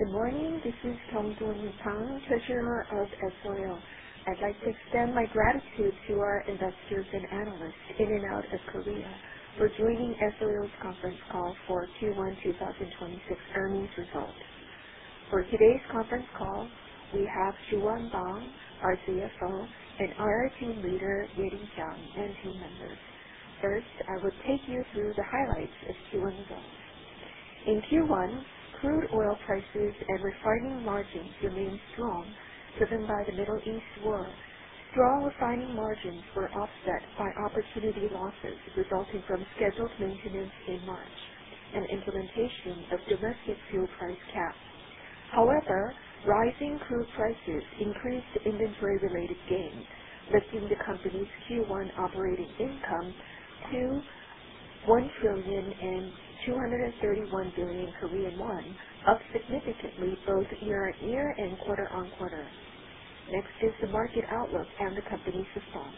Good morning. This is Kyungsook Jung, Treasurer of S-Oil. I'd like to extend my gratitude to our investors and analysts in and out of Korea for joining S-Oil's conference call for Q1 2026 earnings results. For today's conference call, we have Jiwon Bong, our CFO, and IR Team Leader, Yeri Jung, and team members. First, I will take you through the highlights of Jiwon Bong. In Q1, crude oil prices and refining margins remained strong, driven by the Middle East war. Strong refining margins were offset by opportunity losses resulting from scheduled maintenance in March and implementation of domestic fuel price caps. However, rising crude prices increased inventory-related gains, lifting the company's Q1 operating income to 1 trillion 231 billion, up significantly both year-on-year and quarter-on-quarter. Next is the market outlook and the company's response.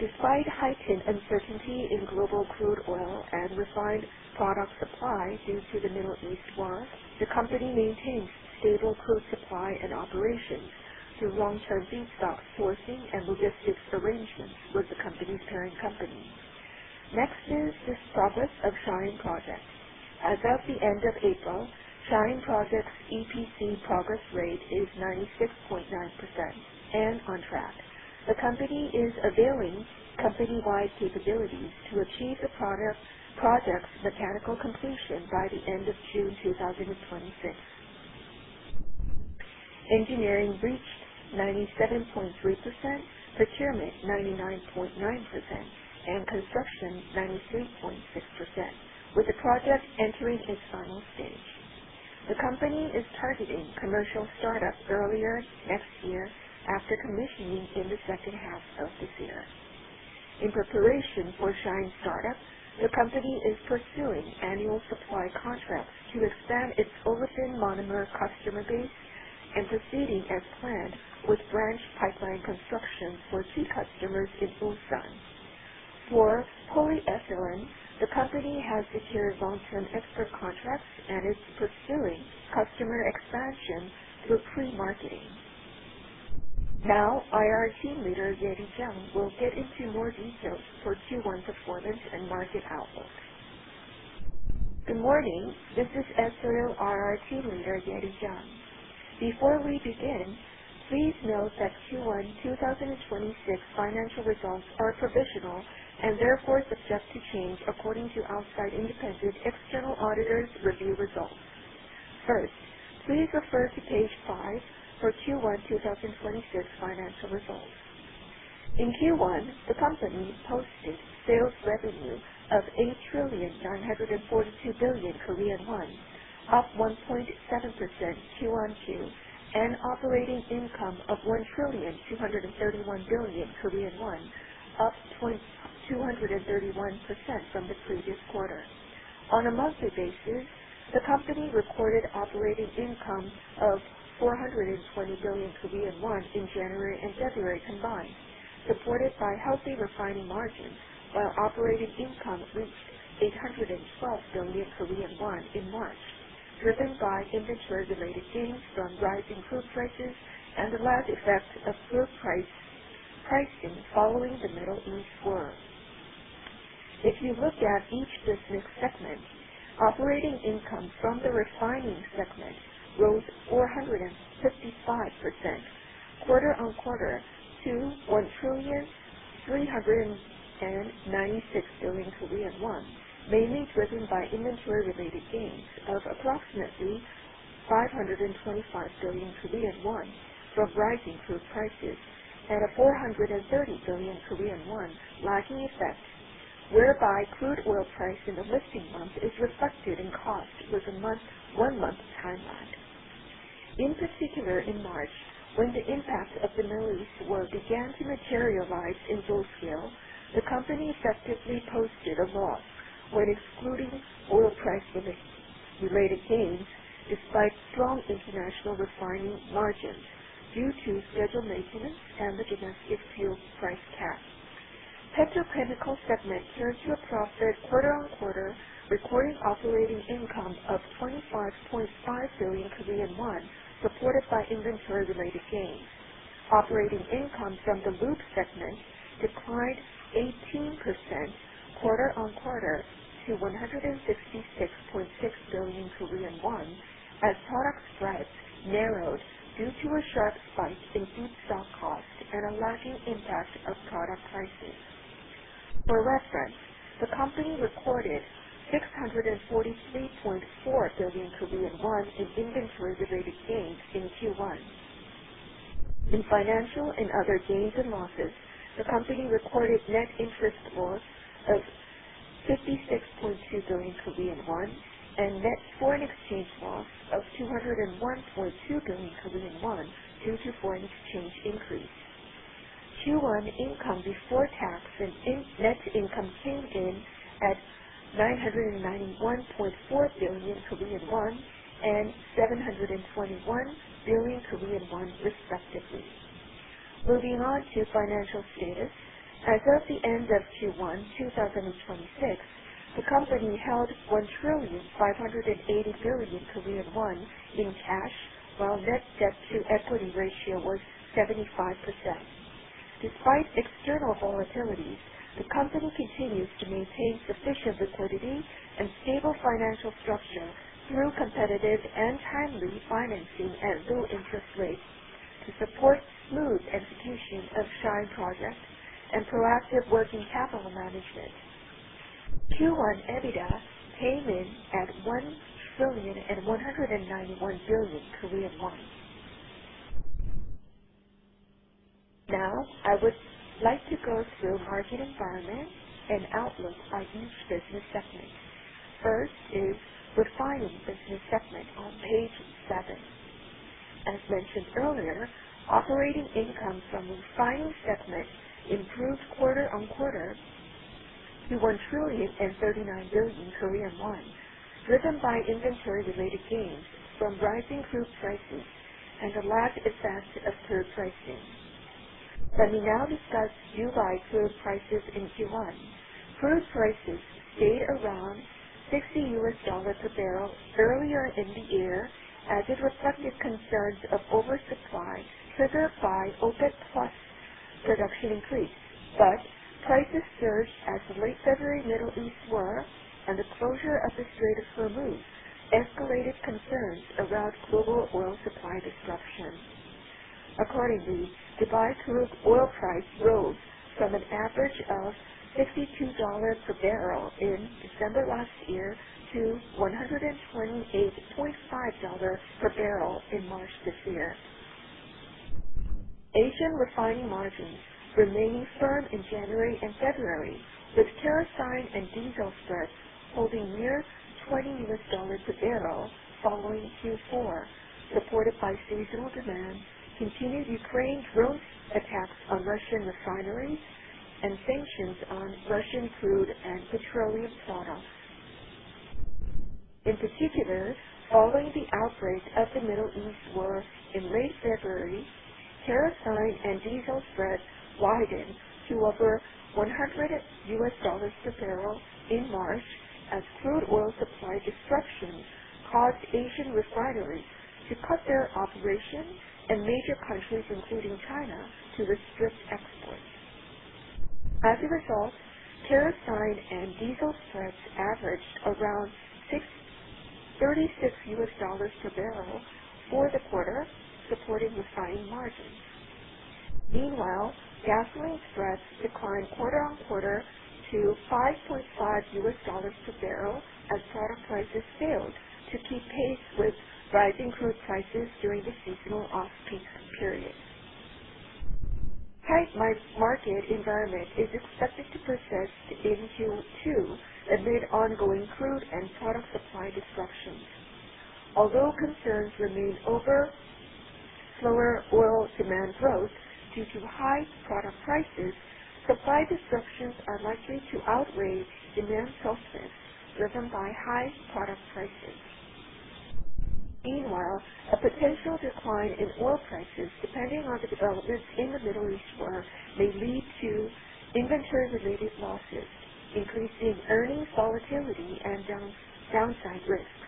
Despite heightened uncertainty in global crude oil and refined product supply due to the Middle East war, the company maintains stable crude supply and operations through long-term feedstock sourcing and logistics arrangements with the company's parent company. Next is the progress of Shaheen Project. As of the end of April, Shaheen Project's EPC progress rate is 96.9% and on track. The company is availing company-wide capabilities to achieve the project's mechanical completion by the end of June 2026. Engineering reached 97.3%, procurement 99.9%, and construction 93.6%, with the project entering its final stage. The company is targeting commercial startup earlier next year after commissioning in the second half of this year. In preparation for Shaheen startup, the company is pursuing annual supply contracts to expand its olefin monomer customer base and proceeding as planned with branch pipeline construction for two customers in Ulsan. For polyethylene, the company has secured long-term extra contracts and is pursuing customer expansion through pre-marketing. Now, IR Team Leader Yeri Jung will get into more details for Q1 performance and market outlook. Good morning. This is S-Oil IR Team Leader, Yeri Jung. Before we begin, please note that Q1 2026 financial results are provisional and therefore subject to change according to outside independent external auditors' review results. First, please refer to page five for Q1 2026 financial results. In Q1, the company posted sales revenue of 8 trillion 942 billion, up 1.7% quarter-on-quarter, and operating income of 1 trillion Korean won 231 billion, up 231% from the previous quarter. On a monthly basis, the company recorded operating income of 420 billion Korean won in January and February combined, supported by healthy refining margins, while operating income reached 812 billion Korean won in March, driven by inventory-related gains from rising crude prices and the lag effect of fuel pricing following the Middle East war. If you look at each business segment, operating income from the refining segment rose 455% quarter-on-quarter to KRW 1 trillion 396 billion, mainly driven by inventory-related gains of approximately 525 billion Korean won from rising crude prices and a 430 billion Korean won lagging effect, whereby crude oil price in the listing month is reflected in cost with a one-month timeline. In particular, in March, when the impact of the Middle East war began to materialize in full scale, the company effectively posted a loss when excluding oil price-related gains despite strong international refining margins due to scheduled maintenance and the domestic fuel price cap. Petrochemical segment turned to a profit quarter-on-quarter, recording operating income of 25.5 billion Korean won, supported by inventory-related gains. Operating income from the lube segment declined 18% quarter-on-quarter to 166.6 billion Korean won, as product spreads narrowed due to a sharp spike in feedstock costs and a lagging impact of product prices. For reference, the company recorded 643.4 billion Korean won in inventory-related gains in Q1. In financial and other gains and losses, the company recorded net interest loss of 56.2 billion Korean won and net foreign exchange loss of 201.2 billion Korean won due to foreign exchange increase. Q1 income before tax and net income came in at 991.4 billion Korean won and 721 billion Korean won, respectively. Moving on to financial status. As of the end of Q1 2026, the company held 1,580 billion Korean won in cash, while net debt to equity ratio was 75%. Despite external volatility, the company continues to maintain sufficient liquidity and stable financial structure through competitive and timely financing at low interest rates to support smooth execution of Shaheen Project and proactive working capital management. Q1 EBITDA came in at 1,191 billion Korean won. I would like to go through market environment and outlook by each business segment. First is refining business segment on page seven. As mentioned earlier, operating income from refining segment improved quarter-on-quarter to KRW 1,039 billion, driven by inventory-related gains from rising crude prices and the lag effect of crude price gains. Let me now discuss Dubai Crude prices in Q1. Crude prices stayed around $60 per barrel earlier in the year as it reflected concerns of oversupply triggered by OPEC+ production increase. Prices surged as the late February Middle East war and the closure of the Strait of Hormuz escalated concerns around global oil supply disruption. Accordingly, Dubai Crude oil price rose from an average of $52 per barrel in December last year to $128.50 per barrel in March this year. Asian refining margins remaining firm in January and February, with kerosene and diesel spreads holding near $20 per barrel following Q4, supported by seasonal demand, continued Ukraine drone attacks on Russian refineries, and sanctions on Russian crude and petroleum products. In particular, following the outbreak of the Middle East war in late February, kerosene and diesel spreads widened to over $100 per barrel in March as crude oil supply disruptions caused Asian refineries to cut their operations and major countries, including China, to restrict exports. As a result, kerosene and diesel spreads averaged around $36 per barrel for the quarter, supporting refining margins. Meanwhile, gasoline spreads declined quarter-on-quarter to $5.5 per barrel as product prices failed to keep pace with rising crude prices during the seasonal off-peak period. Tight market environment is expected to persist into Q2 amid ongoing crude and product supply disruptions. Although concerns remain over slower oil demand growth due to high product prices, supply disruptions are likely to outweigh demand softness driven by high product prices. Meanwhile, a potential decline in oil prices, depending on the developments in the Middle East War, may lead to inventory-related losses, increasing earnings volatility and downside risks.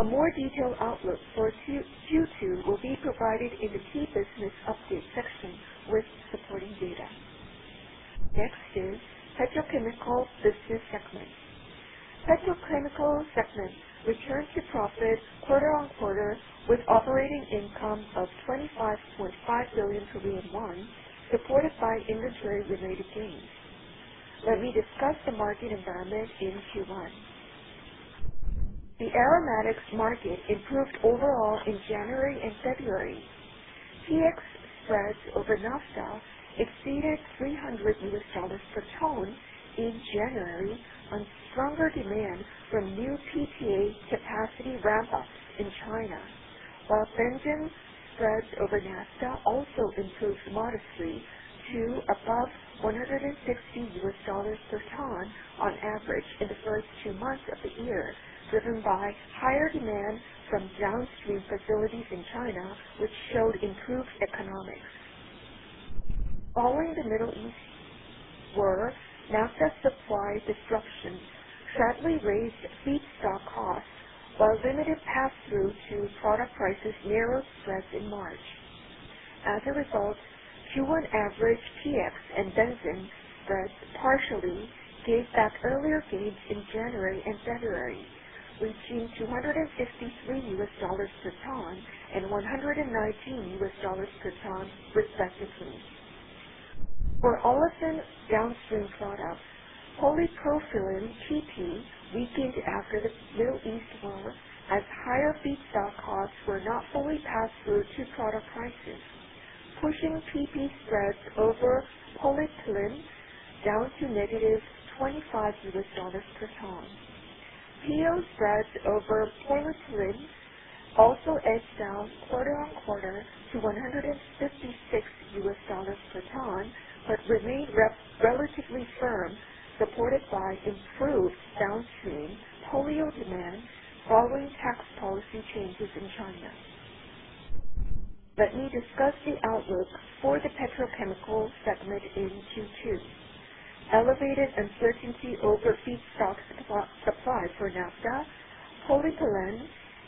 A more detailed outlook for Q2 will be provided in the key business update section with supporting data. Next is petrochemical business segment. Petrochemical segment returned to profit quarter-on-quarter with operating income of 25.5 billion Korean won, supported by inventory related gains. Let me discuss the market environment in Q1. The aromatics market improved overall in January and February. PX spreads over naphtha exceeded $300 per ton in January on stronger demand from new PTA capacity ramp-ups in China, while benzene spreads over naphtha also improved modestly to above $160 per ton on average in the first two months of the year, driven by higher demand from downstream facilities in China, which showed improved economics. Following the Middle East War, naphtha supply disruptions sadly raised feedstock costs, while limited pass-through to product prices narrowed spreads in March. As a result, Q1 average PX and benzene spreads partially gave back earlier gains in January and February, reaching $253 per ton and $119 per ton, respectively. For olefin downstream products, polypropylene, PP, weakened after the Middle East War, as higher feedstock costs were not fully passed through to product prices, pushing PP spreads over polyethylene down to -$25 per ton. PO spreads over polyethylene also edged down quarter-on-quarter to $156 per ton, but remained relatively firm, supported by improved downstream polyol demand following tax policy changes in China. Let me discuss the outlook for the petrochemical segment in Q2. Elevated uncertainty over feedstock supply for naphtha, polyolefin,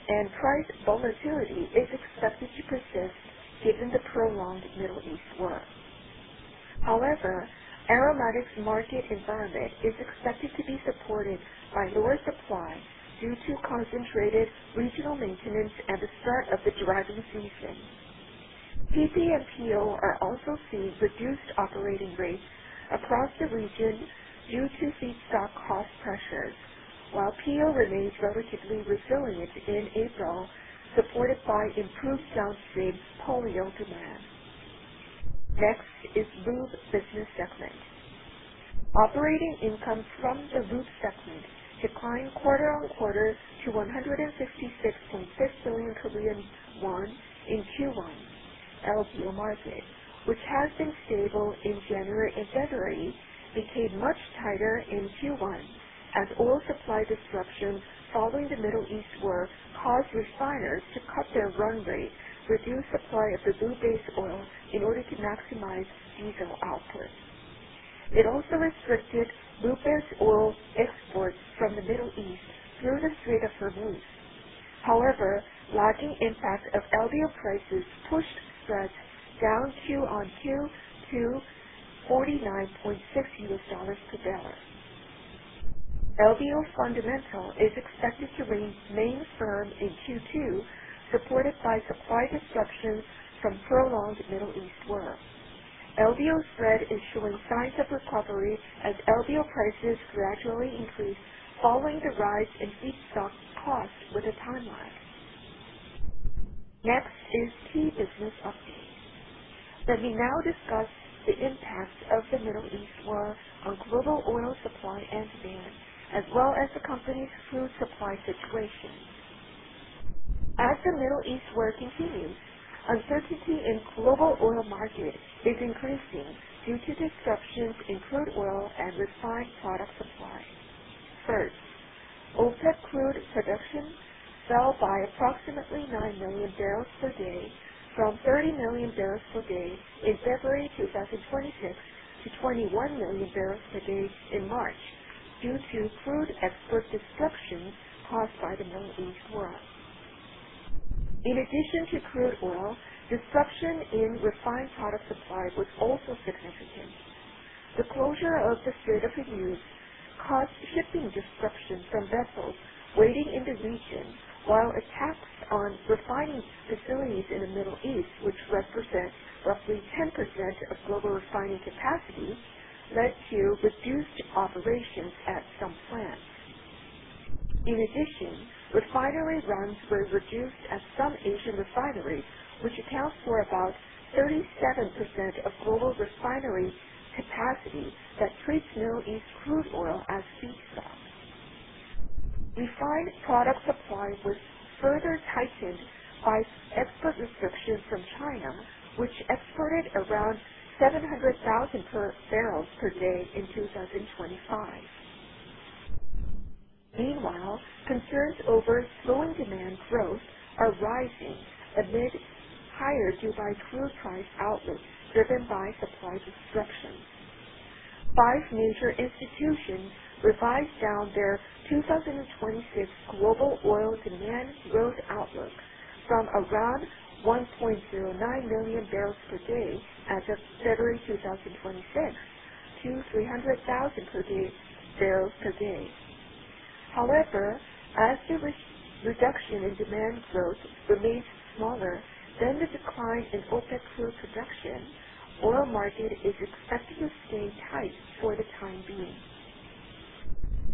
and price volatility is expected to persist given the prolonged Middle East War. However, aromatics market environment is expected to be supported by lower supply due to concentrated regional maintenance and the start of the driving season. PP and PO are also seeing reduced operating rates across the region due to feedstock cost pressures, while PO remains relatively resilient in April, supported by improved downstream polyolefin demand. Next is lube business segment. Operating income from the lube segment declined quarter-on-quarter to 156.6 billion Korean won in Q1. LBO market, which has been stable in January and February, became much tighter in Q1 as oil supply disruptions following the Middle East War caused refiners to cut their run rates, reduce supply of the lube base oil in order to maximize diesel output. It also restricted lube base oil exports from the Middle East through the Strait of Hormuz. However, lagging impact of LBO prices pushed spreads down Q on Q to $49.6 per barrel. LBO fundamental is expected to remain firm in Q2, supported by supply disruptions from prolonged Middle East War. LBO spread is showing signs of recovery as LBO prices gradually increase following the rise in feedstock cost with a time lag. Next is key business updates. Let me now discuss the impact of the Middle East War on global oil supply and demand, as well as the company's crude supply situation. As the Middle East War continues, uncertainty in global oil market is increasing due to disruptions in crude oil and refined product supply. First, OPEC crude production fell by approximately 9 million bpd from 30 million bpd in February 2026 to 21 million bpd in March due to crude export disruptions caused by the Middle East War. In addition to crude oil, disruption in refined product supply was also significant. The closure of the Strait of Hormuz caused shipping disruptions from vessels waiting in the region, while attacks on refining facilities in the Middle East, which represent roughly 10% of global refining capacity, led to reduced operations at some plants. In addition, refinery runs were reduced at some Asian refineries, which account for about 37% of global refinery capacity that treats Middle East crude oil as feedstock. Refined product supply was further tightened by export restrictions from China, which exported around 700,000 bpd in 2025. Meanwhile, concerns over slowing demand growth are rising amid higher Dubai Crude price outlook driven by supply disruptions. Five major institutions revised down their 2026 global oil demand growth outlook from around 1.09 million bpd as of February 2026 to 300,000 bpd. However, as the reduction in demand growth remains smaller than the decline in OPEC crude production, oil market is expected to stay tight for the time being.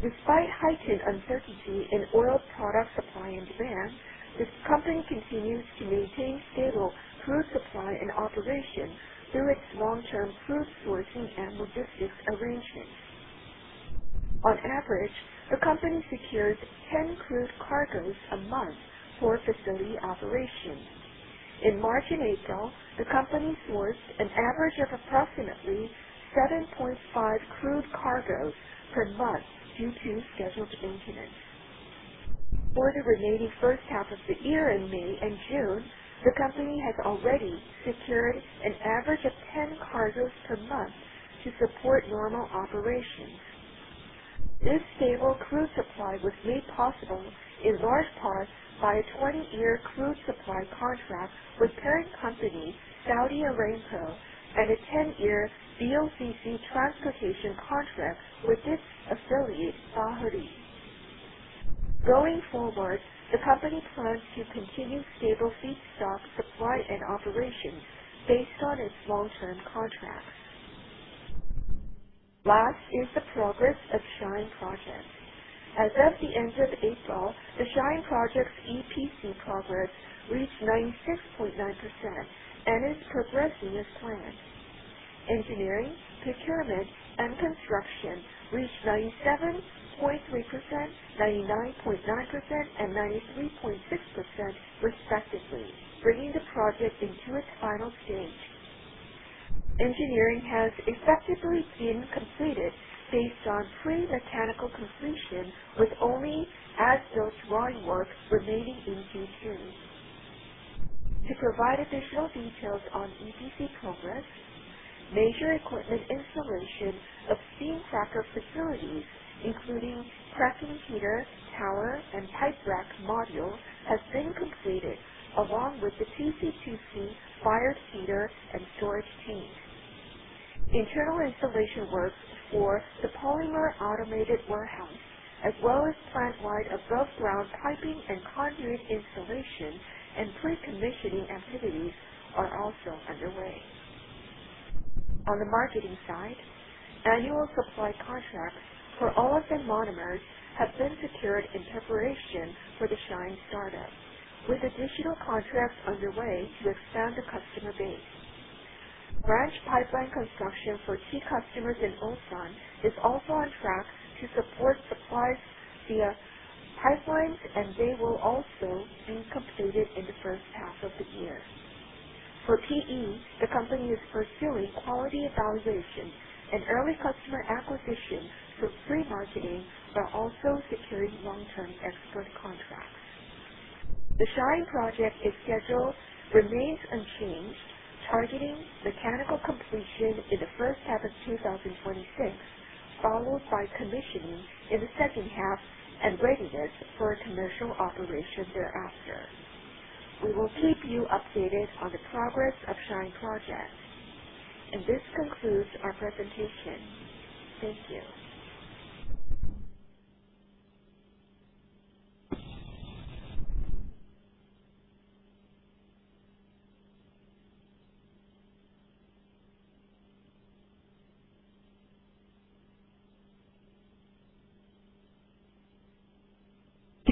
Despite heightened uncertainty in oil product supply and demand, S-Oil continues to maintain stable crude supply and operation through its long-term crude sourcing and logistics arrangements. On average, the company secures 10 crude cargoes a month for facility operations. In March and April, the company sourced an average of approximately 7.5 crude cargoes per month due to scheduled maintenance. For the remaining first half of the year in May and June, the company has already secured an average of 10 cargoes per month to support normal operations. This stable crude supply was made possible in large part by a 20-year crude supply contract with parent company, Saudi Aramco, and a 10-year BOCC transportation contract with its affiliate, Bahri. Going forward, the company plans to continue stable feedstock supply and operations based on its long-term contracts. Last is the progress of Shaheen Project. As of the end of April, the Shaheen Project's EPC progress reached 96.9% and is progressing as planned. Engineering, procurement, and construction reached 97.3%, 99.9%, and 93.6%, respectively, bringing the project into its final stage. Engineering has effectively been completed based on pre-mechanical completion, with only as-built drawing work remaining in Q2. To provide additional details on EPC progress, major equipment installation of steam cracker facilities, including cracking heater, tower and pipe rack module, has been completed along with the TC2C fired heater and storage tanks. Internal installation works for the polymer automated warehouse as well as plant-wide above ground piping and conduit installation and pre-commissioning activities are also underway. On the marketing side, annual supply contracts for all of the monomers have been secured in preparation for the Shaheen startup, with additional contracts underway to expand the customer base. Branch pipeline construction for key customers in Ulsan is also on track to support supplies via pipelines, and they will also be completed in the first half of the year. For PE, the company is pursuing quality evaluations and early customer acquisition for pre-marketing, while also securing long-term export contracts. The Shaheen Project schedule remains unchanged, targeting mechanical completion in the first half of 2026, followed by commissioning in the second half and readiness for commercial operation thereafter. We will keep you updated on the progress of Shaheen Project. This concludes our presentation. Thank you.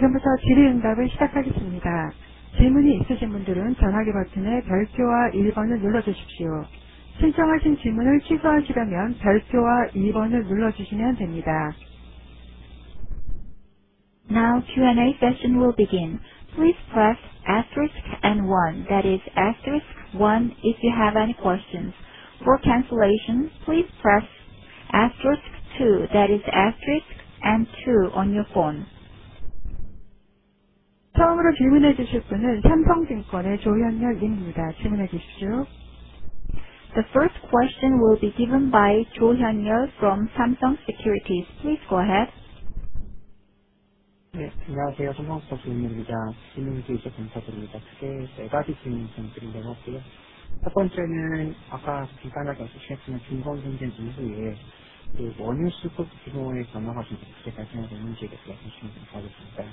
지금부터 질의응답을 시작하겠습니다. 질문이 있으신 분들은 전화기 버튼의 별표와 1번을 눌러주십시오. 신청하신 질문을 취소하시려면 별표와 2번을 눌러주시면 됩니다. Q&A session will begin. Please press asterisk and 1. That is asterisk 1, if you have any questions. For cancellation, please press asterisk 2. That is asterisk and 2 on your phone. 처음으로 질문해 주실 분은 삼성증권의 조현렬 님입니다. 질문해 주십시오. The first question will be given by Cho Hyun-yeol from Samsung Securities. Please go ahead. 안녕하세요. 삼성증권 조현열입니다. 질문이 두세 개 정도 됩니다. 크게 네 가지 질문을 드리려고 하고요. 첫 번째는 아까 간단하게 언급하셨지만, 중동 전쟁 이후에 원유 수급 규모의 변화가 좀 어떻게 발생하고 있는지에 대해서 질문드리겠습니다.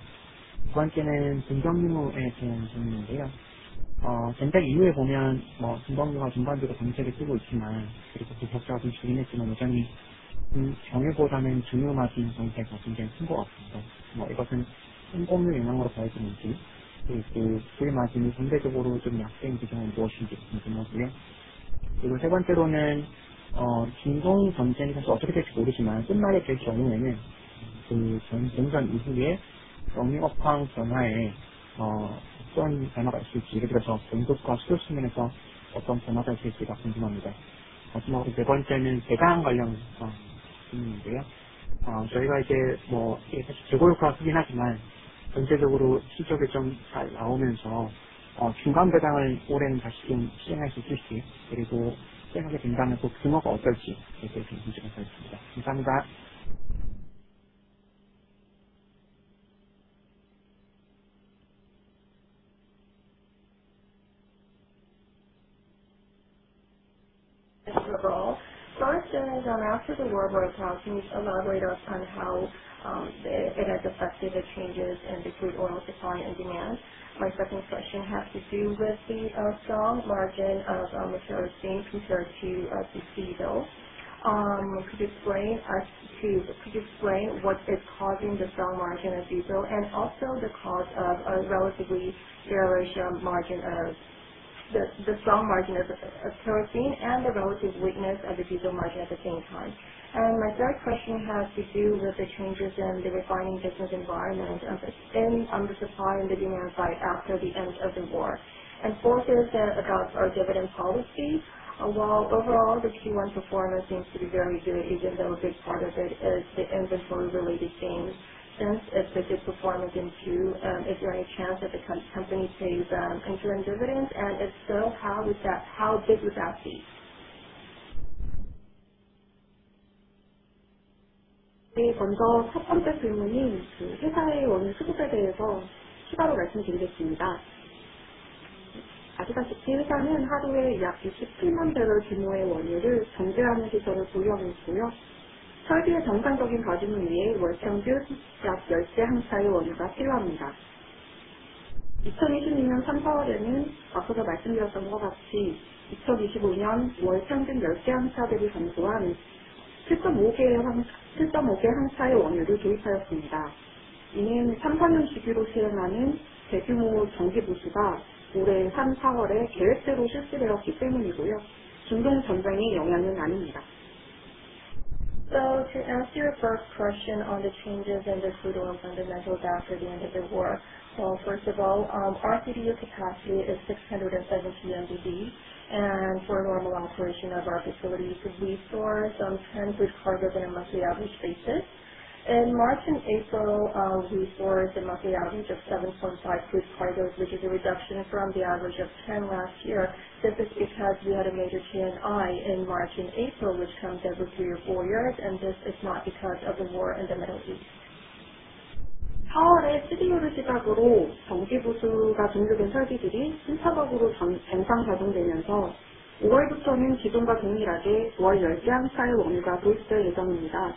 두 번째는 증산 규모에 대한 질문인데요. 전쟁 이후에 보면 증산 규모가 중간중간 정체를 띠고 있지만, 그리고 그 격차도 줄긴 했지만 여전히 평유보다는 증유 맞은 상태가 굉장히 큰것 같습니다. 이것은 흠 없느냐고 볼수 있는지, 그리고 그 증유 마진이 상대적으로 좀 약세인 기조는 무엇인지 궁금하고요. 세 번째로는 중동 전쟁이 사실 어떻게 될지 모르지만 끝날 경우에는 그 전쟁 이후에 정유 업황 변화에 어떤 변화가 있을지, 예를 들어서 공급과 수요 측면에서 어떤 변화가 있을지가 궁금합니다. 마지막으로 네 번째는 배당 관련한 질문인데요. 저희가 이제 사실 재고 효과가 크긴 하지만 전체적으로 실적이 좀잘 나오면서 중간배당을 올해는 다시 좀 시행할 수 있을지, 그리고 시행하게 된다면 그 규모가 어떨지 여쭤보겠습니다. 감사합니다. Thank you overall. First thing is after the war broke out, can you elaborate us on how it has affected the changes in the crude oil supply and demand? My second question has to do with the strong margin of mature steam compared to diesel. Could you explain what is causing the strong margin of diesel and also the cause of the strong margin of kerosene and the relative weakness of the diesel margin at the same time? My third question has to do with the changes in the refining business environment and on the supply and the demand side after the end of the war. Fourth is about our dividend policy. While overall the Q1 performance seems to be very good, even though a big part of it is the inventory related gains, since it's a good performance, is there any chance that the company pays interim dividends? If so, how big would that be? 네, 먼저 첫 번째 질문인 회사의 원유 수급에 대해서 추가로 말씀드리겠습니다. 아시다시피 회사는 하루에 약 67만 배럴 규모의 원유를 정제하는 시설을 보유하고 있고요. 설비의 정상적인 가동을 위해 월 평균 약 10개 항차의 원유가 필요합니다. 2025년 3, 4월에는 앞서서 말씀드렸던 것과 같이 월 평균 10개 항차들이 감소한 7.5개 항차의 원유를 도입하였습니다. 이는 3년 주기로 시행하는 대규모 정기 조드가 올해 3, 4월에 계획대로 실시되었기 때문이고요. 중동 전쟁의 영향은 아닙니다. To answer your first question on the changes in the crude oil fundamentals after the end of the war. First of all, our CDU capacity is 670 KBPD. For normal operation of our facilities, we store some 10 crude cargoes on a monthly average basis. In March and April, we stored a monthly average of 7.5 crude cargoes, which is a reduction from the average of 10 last year. This is because we had a major T&I in March and April, which comes every three or four years, and this is not because of the war in the Middle East. 4월에 CDU를 시작으로 정기 보수가 종료된 설비들이 순차적으로 정상 가동되면서 5월부터는 기존과 동일하게 월 10항차의 원유가 도입될 예정입니다.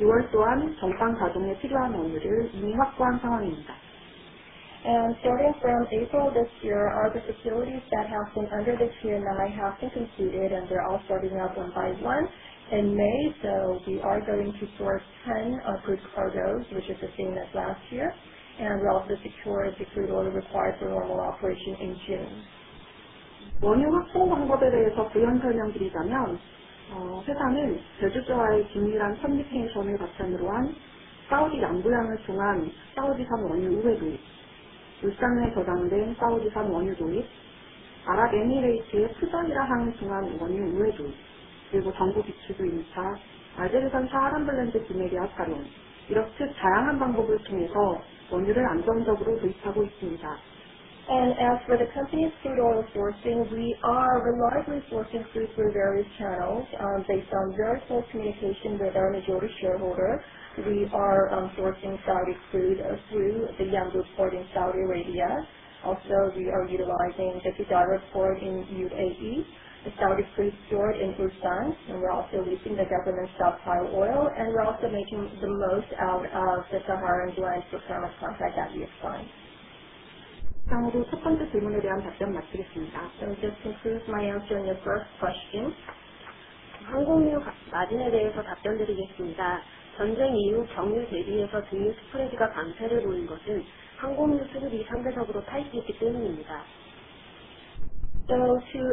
6월 또한 정상 가동에 필요한 원유를 이미 확보한 상황입니다. Starting from April this year, other facilities that have been under the T&I have been completed and they're all starting up one by one in May. We are going to store 10 crude cargoes, which is the same as last year. We also secured the crude oil required for normal operation in June. 원유 확보 방법에 대해서 부연 설명드리자면, 회사는 제주와의 긴밀한 커뮤니케이션을 바탕으로 한 사우디 Yanbu항을 통한 사우디산 원유 우회 도입, 울산에 저장된 사우디산 원유 도입, 아랍 UAE의 Fujairah항을 통한 원유 우회 도입, 그리고 정부 비축유 2차, 알제리산 Saharan Blend 구매 계약 체결, 이렇듯 다양한 방법을 통해서 원유를 안정적으로 도입하고 있습니다. As for the company's crude oil sourcing, we are reliably sourcing crude through various channels based on very close communication with our majority shareholder. We are sourcing Saudi crude through the Yanbu port in Saudi Arabia. We are utilizing the Fujairah port in U.A.E., the Saudi crude stored in Ulsan, and we're also leasing the government stockpile oil, and we're also making the most out of the Saharan Blend procurement contract that we have signed. 다음으로 첫 번째 질문에 대한 답변 마치겠습니다. This concludes my answer on your first question. 항공유 마진에 대해서 답변드리겠습니다. 전쟁 이후 경유 대비해서 등유 스프레드가 강세를 보이는 것은 항공유 수급이 상대적으로 타이트했기 때문입니다. To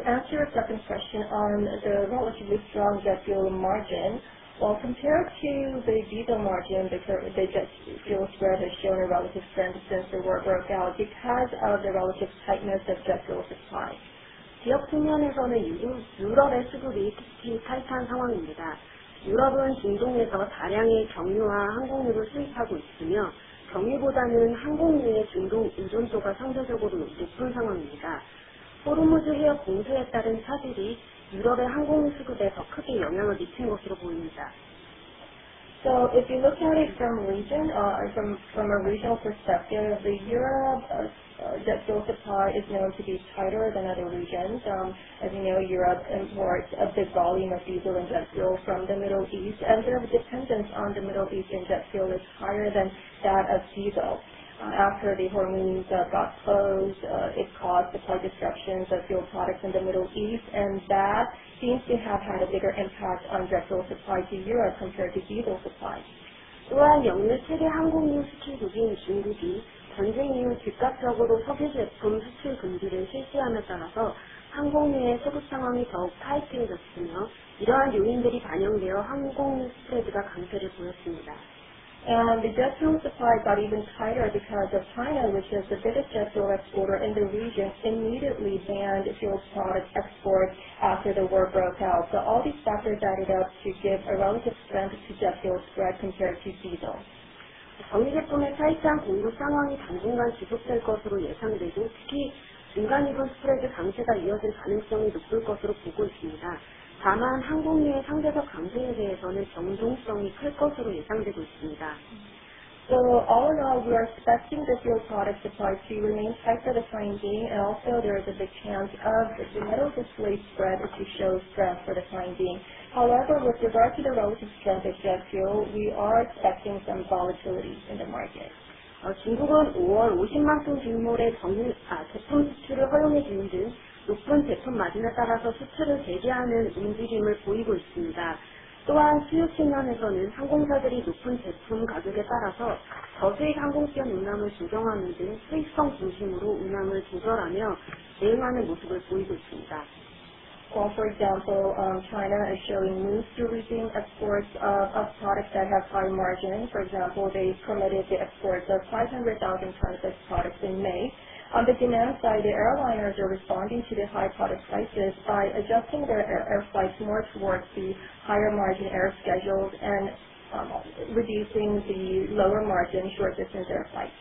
answer your second question on the relatively strong jet fuel margin. Well, compared to the diesel margin, the jet fuel spread has shown a relative strength since the war broke out because of the relative tightness of jet fuel supply. 지역 측면에서는 유럽의 수급이 특히 타이트한 상황입니다. 유럽은 중동에서 다량의 경유와 항공유를 수입하고 있으며 경유보다는 항공유의 중동 의존도가 상대적으로 높은 상황입니다. 호르무즈 해협 봉쇄에 따른 차질이 유럽의 항공유 수급에 더 크게 영향을 미친 것으로 보입니다. If you look at it from a regional perspective, the Europe jet fuel supply is known to be tighter than other regions. As you know, Europe imports a big volume of diesel and jet fuel from the Middle East, and their dependence on the Middle Eastern jet fuel is higher than that of diesel. After the Hormuz got closed, it caused supply disruptions of fuel products in the Middle East, and that seems to have had a bigger impact on jet fuel supply to Europe compared to diesel supply. 또한 역내 세계 항공유 수출국인 중국이 전쟁 이후 즉각적으로 석유 제품 수출 금지를 실시함에 따라서 항공유의 수급 상황이 더욱 타이트해졌으며, 이러한 요인들이 반영되어 항공유 스프레드가 강세를 보였습니다. The jet fuel supply got even tighter because of China, which is the biggest jet fuel exporter in the region, immediately banned fuel product exports after the war broke out. All these factors added up to give a relative strength to jet fuel spread compared to diesel. 정유 제품의 타이트한 공급 상황이 당분간 지속될 것으로 예상되고, 특히 중간유류 스프레드 강세가 이어질 가능성이 높을 것으로 보고 있습니다. 다만 항공유의 상대적 강세에 대해서는 변동성이 클 것으로 예상되고 있습니다. All in all, we are expecting the fuel product supply to remain tight for the time being, also there is a big chance of the middle distillate spread to show strength for the time being. However, with regard to the relative strength of jet fuel, we are expecting some volatility in the market. 중국은 5월 50만 톤 규모의 제품 수출을 허용해주는 등 높은 제품 마진에 따라서 수출을 재개하는 움직임을 보이고 있습니다. 또한 수요 측면에서는 항공사들이 높은 제품 가격에 따라서 저수익 항공편 운항을 조정하는 등 수익성 중심으로 운항을 조절하며 대응하는 모습을 보이고 있습니다. Well, for example, China is showing moves to resume exports of products that have high margin. For example, they permitted the export of 500,000 tons of products in May. On the demand side, the airliners are responding to the high product prices by adjusting their air flights more towards the higher margin air schedules and reducing the lower margin short distance air flights.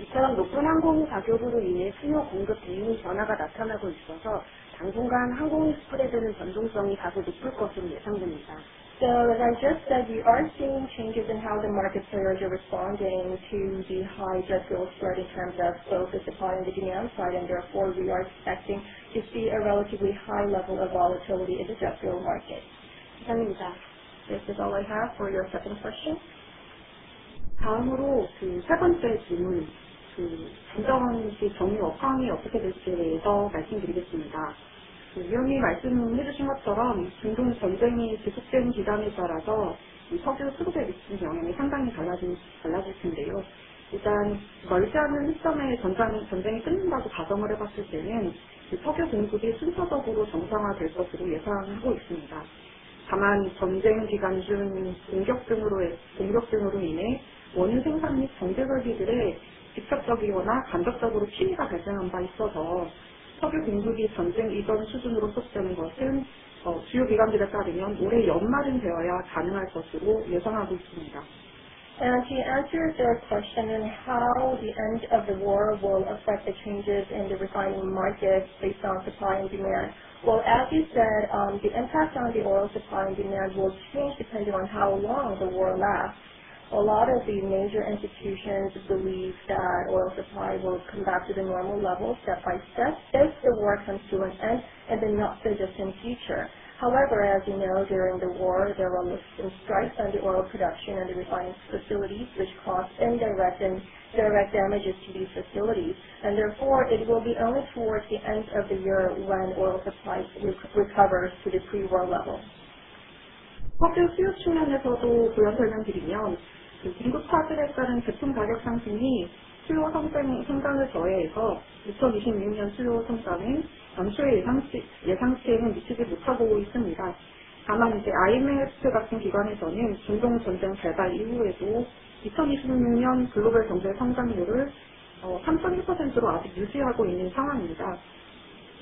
이처럼 높은 항공유 가격으로 인해 수요 공급 대응에 변화가 나타나고 있어서 당분간 항공유 스프레드는 변동성이 다소 높을 것으로 예상됩니다. As I just said, we are seeing changes in how the market players are responding to the high jet fuel spread in terms of both the supply and the demand side. Therefore, we are expecting to see a relatively high level of volatility in the jet fuel market. 이상입니다. This is all I have for your second question. 다음으로 세 번째 질문, 전쟁 시 정유 업황이 어떻게 될지에 대해서 말씀드리겠습니다. 위원님이 말씀해 주신 것처럼 중동 전쟁이 지속되는 기간에 따라서 석유 수급에 미치는 영향이 상당히 달라질 텐데요. 일단 멀지 않은 시점에 전쟁이 끝난다고 가정을 해봤을 때는 석유 공급이 순서적으로 정상화될 것으로 예상하고 있습니다. 다만 전쟁 기간 중 공격 등으로 인해 원유 생산 및 정제 설비들에 직접적이거나 간접적으로 침해가 발생한 바 있어서 석유 공급이 전쟁 이전 수준으로 회복되는 것은 주요 기관들을 따르면 올해 연말은 되어야 가능할 것으로 예상하고 있습니다. To answer your question on how the end of the war will affect the changes in the refining market based on supply and demand. As you said, the impact on the oil supply and demand will change depending on how long the war lasts. A lot of the major institutions believe that oil supply will come back to the normal level step by step if the war comes to an end in the not-so-distant future. However, as you know, during the war, there were missile strikes on the oil production and the refining facilities, which caused indirect and direct damages to these facilities, and therefore it will be only towards the end of the year when oil supply recovers to the pre-war level. 석유 수요 측면에서도 보완 설명드리면, 공급 차질에 따른 제품 가격 상승 및 수요 성장이 성장을 더해서 2026년 수요 성장은 전수의 예상치에는 미치지 못하고 있습니다. 다만 IMF 같은 기관에서는 중동 전쟁 발발 이후에도 2026년 글로벌 경제 성장률을 3.1%로 아직 유지하고 있는 상황입니다.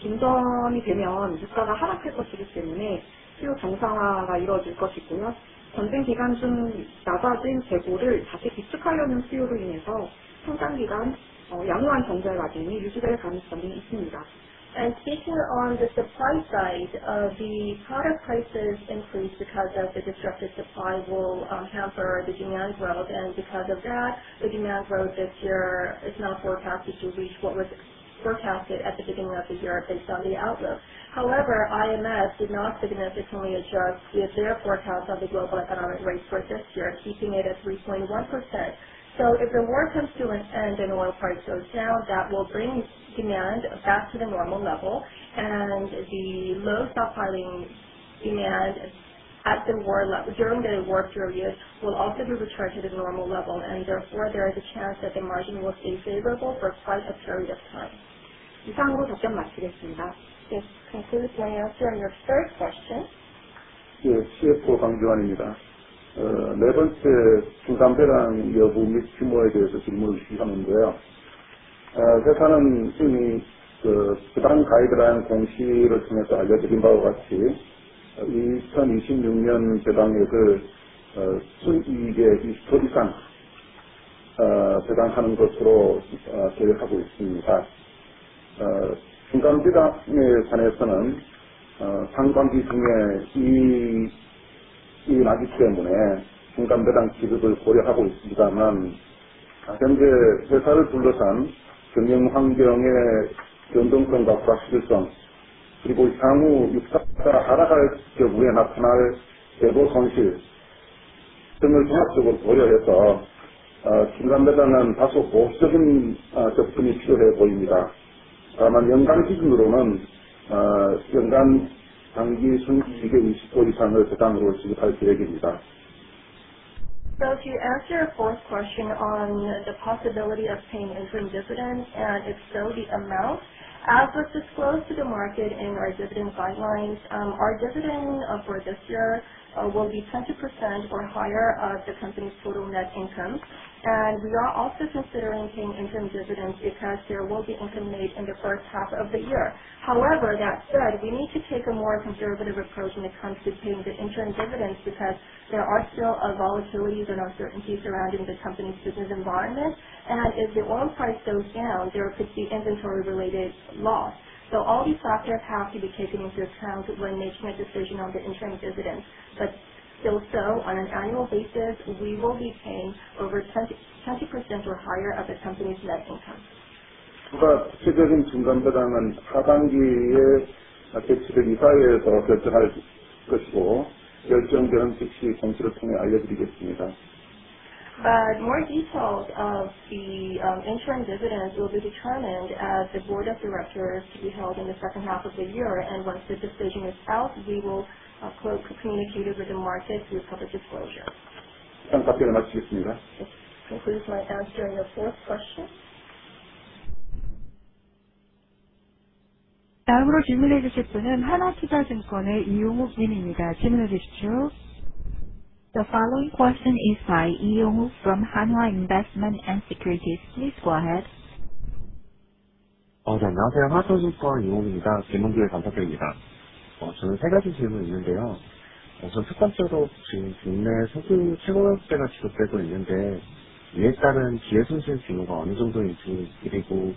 종전이 되면 유가가 하락할 것이기 때문에 수요 정상화가 이루어질 것이고요. 전쟁 기간 중 낮아진 재고를 다시 비축하려는 수요로 인해서 성장 기간 양호한 정제 마진이 유지될 가능성이 있습니다. Speaking on the supply side, the product prices increase because of the disrupted supply will hamper the demand growth. Because of that, the demand growth this year is not forecasted to reach what was forecasted at the beginning of the year based on the outlook. However, IMF did not significantly adjust their forecast on the global economic rate for this year, keeping it at 3.1%. If the war comes to an end and oil price goes down, that will bring demand back to the normal level. The low stockpiling demand during the war period will also be returned to the normal level, and therefore there is a chance that the margin will stay favorable for quite a period of time. 이상으로 답변 마치겠습니다. Yes, concludes my answer on your third question. 예, CFO 강주환입니다. 네 번째, 중간배당 여부 및 규모에 대해서 질문이 주셨는데요. 회사는 이미 배당 가이드라인 공시를 통해서 알려드린 바와 같이 2026년 배당액을 순이익의 20% 이상 배당하는 것으로 계획하고 있습니다. 중간배당에 관해서는 상반기 중에 이익이 나기 때문에 중간배당 지급을 고려하고 있습니다만, 현재 회사를 둘러싼 금융환경의 변동성과 불확실성, 그리고 향후 유가 하락할 경우에 나타날 재고 손실 등을 종합적으로 고려해서 중간배당은 다소 보수적인 접근이 필요해 보입니다. 다만 연간 기준으로는 연간 당기순이익의 20% 이상을 배당으로 지급할 계획입니다. To answer your fourth question on the possibility of paying interim dividend, and if so, the amount. As was disclosed to the market in our dividend guidelines, our dividend for this year will be 20% or higher of the company's total net income, and we are also considering paying interim dividends because there will be interim date in the first half of the year. However, that said, we need to take a more conservative approach when it comes to paying the interim dividends because there are still volatilities and uncertainties surrounding the company's business environment. If the oil price goes down, there could be inventory related loss. All these factors have to be taken into account when making a decision on the interim dividends. Still so on an annual basis, we will be paying over 20% or higher of the company's net income. 구가 구체적인 중간배당은 하반기에 개최될 이사회에서 결정할 것이고, 결정되는 즉시 공시를 통해 알려드리겠습니다. More details of the interim dividends will be determined at the board of directors to be held in the second half of the year. Once the decision is out, we will communicate it with the market through public disclosure. 이상 답변을 마치겠습니다. Yes, concludes my answer on your fourth question. 다음으로 질문해 주실 분은 Hana Securities의 이영욱 님입니다. 질문해 주시죠. The following question is by Lee Young-wook from Hana Investment & Securities. Please go ahead. 네, 안녕하세요. 하나투자증권 이영욱입니다. 질문 기회 부탁드립니다. 저는 세 가지 질문이 있는데요. 우선 첫 번째로 지금 국내 석유 최고 가격제가 시행되고 있는데, 이에 따른 기회손실 규모가 어느 정도인지, 그리고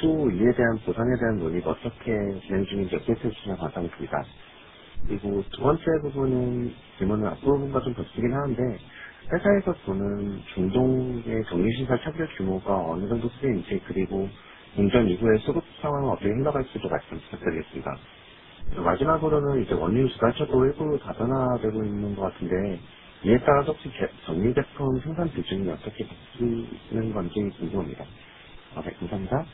추후 이에 대한 보상에 대한 논의가 어떻게 진행 중인지 여쭤봐도 될지 감사하겠습니다. 그리고 두 번째 질문은 앞으로 본것좀 겹치긴 하는데, 회사에서 보는 중동의 정유시설 타격 규모가 어느 정도 수준인지, 그리고 전쟁 이후의 수급 상황은 어떻게 흘러갈지도 말씀 부탁드리겠습니다. 마지막으로는 원유 수급사도 일부 다변화되고 있는 것 같은데, 이에 따라 석유정제 제품 생산 비중이 어떻게 바뀌고 있는 건지 궁금합니다. 네, 감사합니다.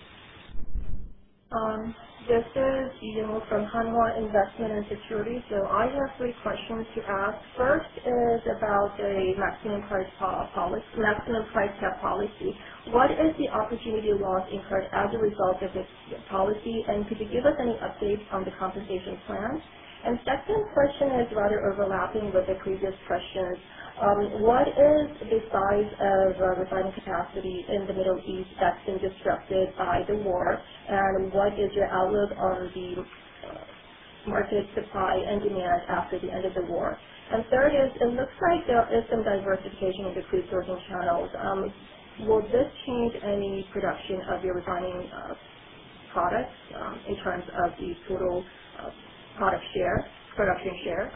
This is Yeo from Hanwha Investment & Securities. I have three questions to ask. First is about a maximum price cap policy. What is the opportunity loss incurred as a result of this policy, and could you give us any updates on the compensation plans? Second question is rather overlapping with the previous questions. What is the size of refining capacity in the Middle East that's been disrupted by the war? What is your outlook on the market supply and demand after the end of the war? Third is, it looks like there is some diversification into pre-serving channels. Will this change any production of your refining products in terms of the total production share?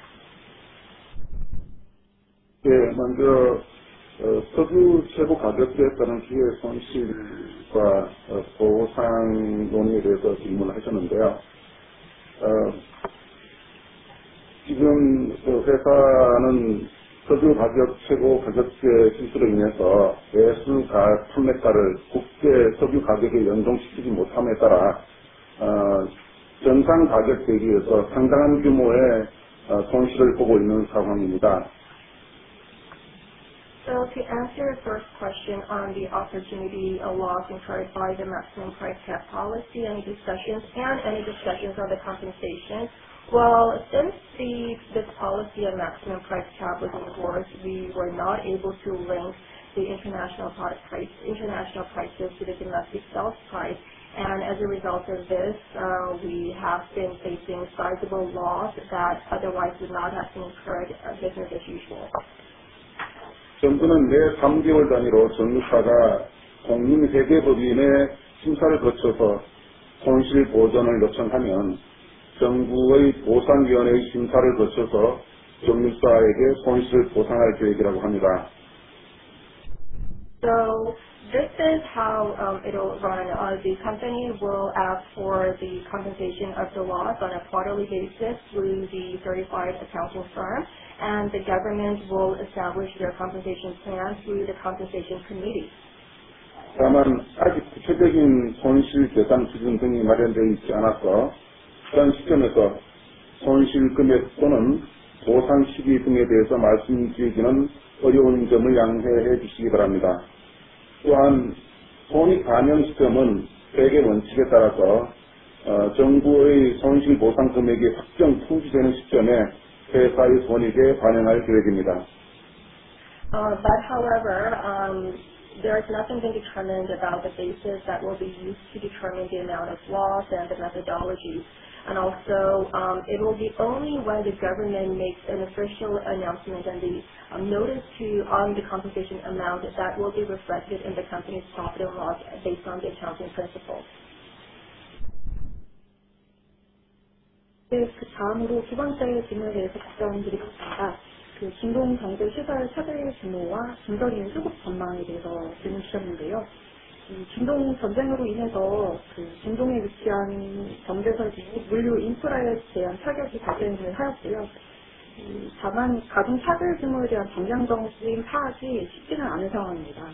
먼저 석유 최고 가격제라는 기회손실과 보상 논의에 대해서 질문을 하셨는데요. 지금 회사는 석유 최고 가격제 실시로 인해서 내수 판매가를 국제 석유 가격에 연동시키지 못함에 따라 정상 가격 대비해서 상당한 규모의 손실을 보고 있는 상황입니다. To answer your first question on the opportunity loss incurred by the maximum price cap policy and any discussions on the compensation. Well, since this policy of maximum price cap was enforced, we were not able to link the international prices to the domestic sales price. As a result of this, we have been facing sizable loss that otherwise would not have been incurred business as usual. 정부는 매 3개월 단위로 정유사가 공인 회계법인의 심사를 거쳐서 손실 보전을 요청하면 정부의 보상위원회의 심사를 거쳐서 정유사에게 손실을 보상할 계획이라고 합니다. This is how it'll run. The company will ask for the compensation of the loss on a quarterly basis through the certified accounting firm, and the government will establish their compensation plan through the compensation committee. 다만 아직 구체적인 손실 배상 기준 등이 마련되어 있지 않아서 현 시점에서 손실 금액 또는 보상 시기 등에 대해서 말씀드리기는 어려운 점을 양해해 주시기 바랍니다. 또한 손익 반영 시점은 회계 원칙에 따라서 정부의 손실 보상 금액이 확정 통지되는 시점에 회사의 손익에 반영할 계획입니다. However, there's nothing been determined about the basis that will be used to determine the amount of loss and the methodologies. Also, it will be only when the government makes an official announcement and the notice on the compensation amount that will be reflected in the company's profit and loss based on the accounting principles. 그다음으로 두 번째 질문에 대해서 답변드리겠습니다. 중동 경제 시설 타격 규모와 중단 이후 수급 전망에 대해서 질문 주셨는데요. 중동 전쟁으로 인해서 중동에 위치한 정제설비, 물류 인프라에 대한 타격이 발생을 하였고요. 다만 가동 차질 규모에 대한 정량적 인사하지 쉽지는 않은 상황입니다.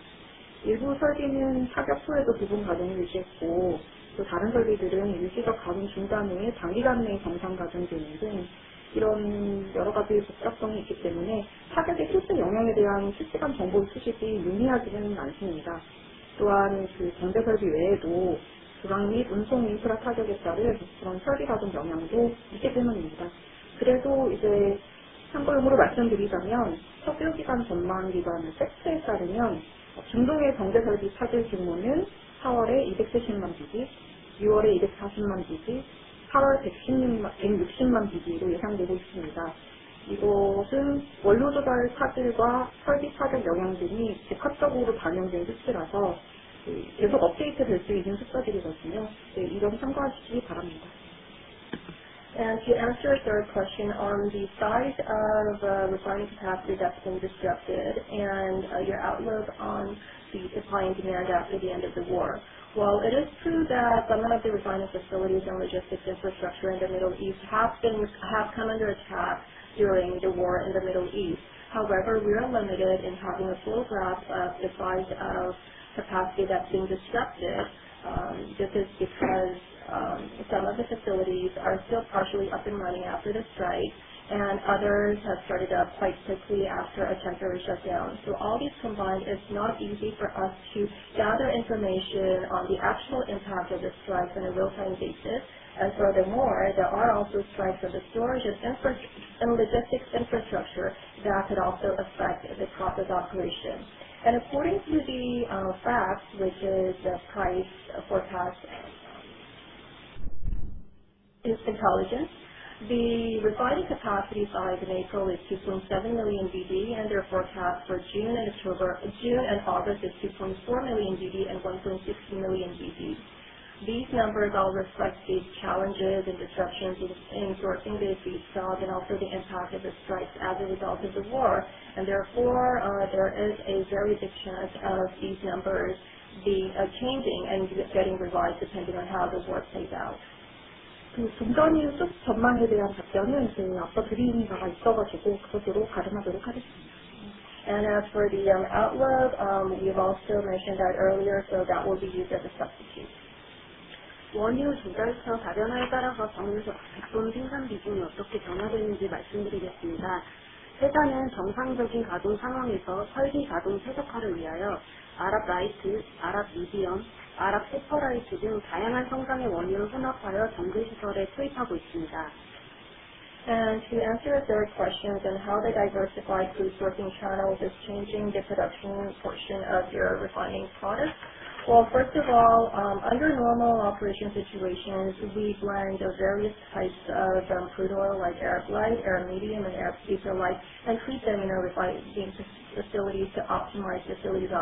일부 설비는 타격 후에도 부분 가동을 유지했고, 또 다른 설비들은 가동 중단 후에 단기간 내에 정상 가동되는 등 이런 여러 가지 복잡성이 있기 때문에 타격의 실제 영향에 대한 실시간 정보 수집이 용이하지는 않습니다. 또한 정제설비 외에도 주간 및 운송 인프라 타격에 따른 유통 설비 가동 영향도 있게 됩니다. 그래도 참고용으로 말씀드리자면 석유 기간 전망 기관 FACTS Global Energy에 따르면 중동의 정제설비 차질 규모는 4월에 230만 bpd, 6월에 240만 bpd, 8월 160만 bpd로 예상되고 있습니다. 이것은 원료 조달 차질과 설비 차질 영향 등이 복합적으로 반영된 수치라서 계속 업데이트될 수 있는 숫자들이거든요. 이건 참고하시기 바랍니다. To answer third question on the size of refining capacity that's been disrupted and your outlook on the supply and demand after the end of the war. Well, it is true that some of the refining facilities and logistics infrastructure in the Middle East have come under attack during the war in the Middle East. However, we are limited in having a full grasp of the size of capacity that's been disrupted. This is because some of the facilities are still partially up and running after the strike, and others have started up quite quickly after a temporary shutdown. All these combined, it's not easy for us to gather information on the actual impact of the strikes on a real-time basis. Furthermore, there are also strikes of the storage and logistics infrastructure that could also affect the process operation. According to the FACTS, which is the price forecast intelligence, the refining capacity size in April is 2.7 million bpd, and their forecast for June and August is 2.4 million bpd and 1.6 million bpd. These numbers all reflect the challenges and disruptions we've seen sourcing the feedstock and also the impact of the strikes as a result of the war. Therefore, there is a very big chance of these numbers changing and getting revised depending on how the war plays out. 중단 이후 수급 전망에 대한 답변은 아까 드린 바가 있어 가지고 그것으로 갈음하도록 하겠습니다. As for the outlook, you've also mentioned that earlier, that will be used as a substitute. 원유 조달처 다변화에 따라서 정유소 제품 생산 비중이 어떻게 변화되는지 말씀드리겠습니다. 회사는 정상적인 가동 상황에서 설비 자동 최적화를 위하여 Arab Light, Arab Medium, Arabian Super Light 등 다양한 성상의 원유를 혼합하여 정제 시설에 투입하고 있습니다. To answer your third question on how the diversified crude sourcing channels is changing the production portion of your refining products. Well, first of all, under normal operation situations, we blend various types of crude oil like Arab Light, Arab Medium, and Arabian Super Light, and treat them in our refining facilities to optimize facilities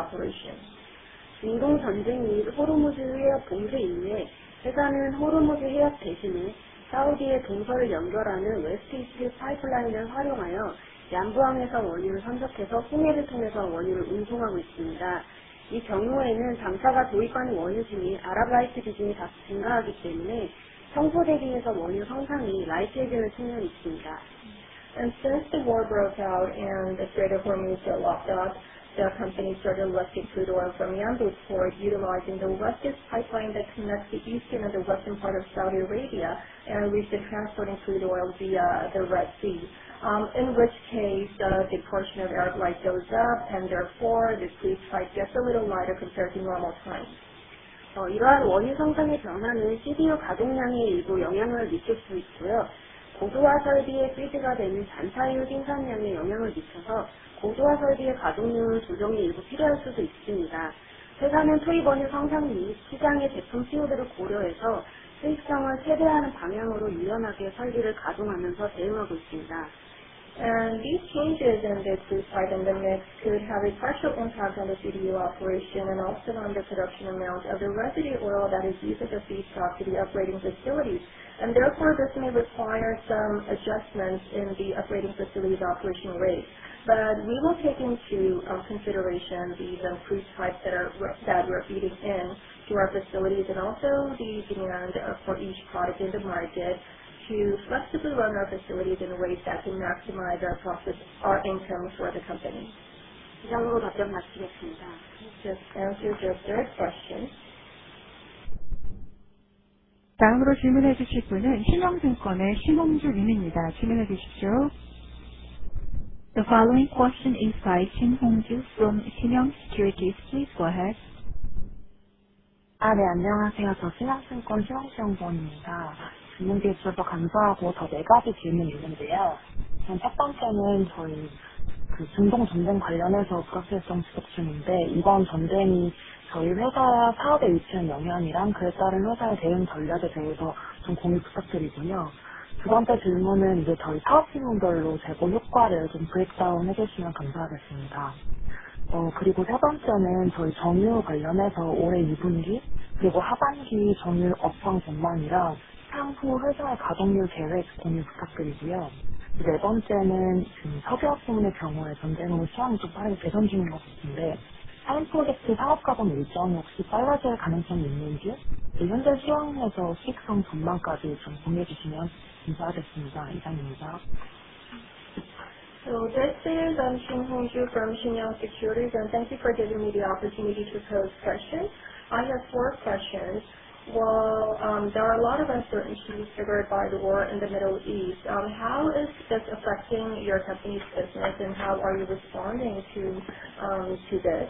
operation. 중동 전쟁 및 호르무즈 해협 봉쇄 이래 회사는 호르무즈 해협 대신에 사우디의 동서를 연결하는 East-West Pipeline을 활용하여 Yanbu 항에서 원유를 선적해서 홍해를 통해서 원유를 운송하고 있습니다. 이 경우에는 당사가 도입하는 원유 중에 Arab Light 비중이 다소 증가하기 때문에 평소 대비해서 원유 성상이 Light해지는 측면이 있습니다. Since the war broke out and the Strait of Hormuz are locked up, the company started lifting crude oil from Yanbu Port, utilizing the East-West Pipeline that connects the eastern and the western part of Saudi Arabia, we've been transporting crude oil via the Red Sea. In which case, the portion of Arab Light goes up, therefore the crude slide gets a little lighter compared to normal times. 이러한 원유 성상의 변화는 CDU 가동량에 일부 영향을 미칠 수 있고요. 고도화 설비의 피드가 되는 잔사유 생산량에 영향을 미쳐서 고도화 설비의 가동률 조정이 일부 필요할 수도 있습니다. 회사는 투입 원유 성상 및 시장의 제품 수요도를 고려해서 수익성을 최대한 방향으로 유연하게 설비를 가동하면서 대응하고 있습니다. These changes in the crude slide and the mix could have a partial impact on the CDU operation and also on the production amount of the residue oil that is used as a feedstock to the operating facilities. Therefore, this may require some adjustments in the operating facilities' operational rates. We will take into consideration these crude types that we're feeding in to our facilities and also the demand for each product in the market to flexibly run our facilities in a way that can maximize our profits, our income for the company. 이상으로 답변 마치겠습니다. That answers your third question. 다음으로 질문해 주실 분은 Shinyoung Securities의 심홍주 님입니다. 질문해 주십시오. The following question is by Shim Hong-joo from Shinyoung Securities. Please go ahead. 안녕하세요. 신영증권 심홍주입니다. 질문 기회 주셔서 감사하고 네 가지 질문이 있는데요. 첫 번째는 중동 전쟁 관련해서 불확실성 지속 중인데, 이번 전쟁이 저희 회사 사업에 미치는 영향이랑 그에 따른 회사의 대응 전략에 대해서 공유 부탁드리고요. 두 번째 질문은 저희 사업 부문별로 재고 효과를 breakdown 해주시면 감사하겠습니다. 그리고 세 번째는 저희 정유 관련해서 올해 2분기 그리고 하반기 정유 업황 전망이랑 향후 회사 가동률 계획 공유 부탁드리고요. 네 번째는 석유화학 부문의 경우에 전쟁으로 수황이 빠르게 개선 중인 것 같은데, Shaheen 프로젝트 사업 가동 일정이 혹시 빨라질 가능성이 있는지, 현재 수황에서 수익성 전망까지 공유해 주시면 감사하겠습니다. 이상입니다. This is Shim Hong-joo from Shinyoung Securities, and thank you for giving me the opportunity to pose questions. I have four questions. There are a lot of uncertainties triggered by the war in the Middle East. How is this affecting your company's business, and how are you responding to this?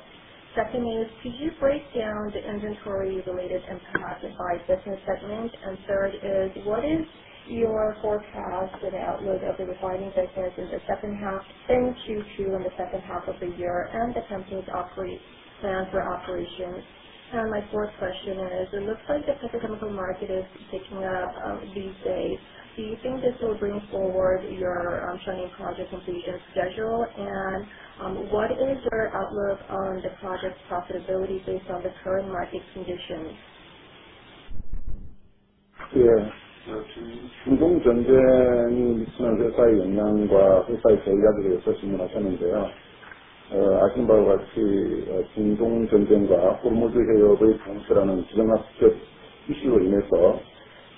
Second is, could you break down the inventory-related impact by business segment? Third is, what is your forecast and outlook of the refining business in Q2 and the second half of the year and the company's operations? My fourth question is, it looks like the petrochemical market is picking up these days. Do you think this will bring forward your Shaheen Project completion schedule? What is your outlook on the project's profitability based on the current market conditions? 중동 전쟁이 미치는 회사의 영향과 회사의 전략에 대해서 질문하셨는데요. 아시는 바와 같이 중동 전쟁과 호르무즈 해협의 봉쇄라는 지정학적 이슈로 인해서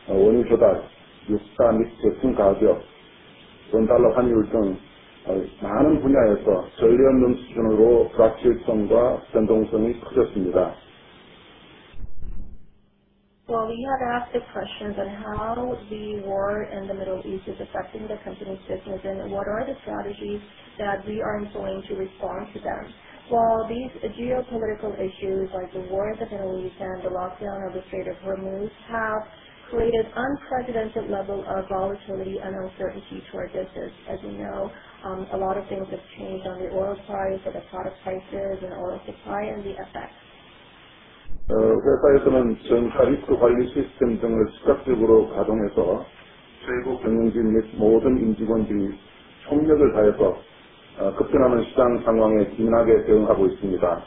원유 조달, 유가 및 제품 가격, 원달러 환율 등 많은 분야에서 전례 없는 수준으로 불확실성과 변동성이 커졌습니다. Well, we had asked a question on how the war in the Middle East is affecting the company's business, and what are the strategies that we are going to respond to them. Well, these geopolitical issues, like the war in the Middle East and the lockdown of the Strait of Hormuz, have created unprecedented level of volatility and uncertainty to our business. As you know, a lot of things have changed on the oil price or the product prices and oil supply and the FX. 회사에서는 전사 리스크 관리 시스템 등을 즉각적으로 가동해서 최고 경영진 및 모든 임직원들이 총력을 다해서 급변하는 시장 상황에 기민하게 대응하고 있습니다.